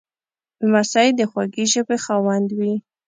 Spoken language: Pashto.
لمسی د خوږې ژبې خاوند وي.